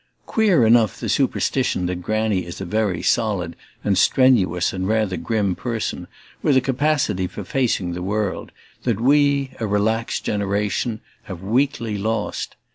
Queer enough the superstition that Granny is a very solid and strenuous and rather grim person, with a capacity for facing the world, that we, a relaxed generation, have weakly lost.